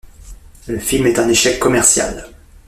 Le film est un échec commercial.